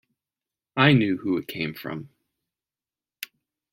I knew who it came from.